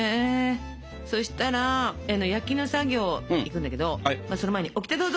そしたら焼きの作業いくんだけどその前にオキテどうぞ！